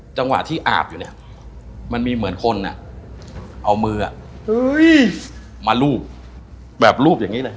จังหวะที่อาบอยุ่เนี่ย